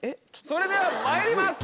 それではまいります！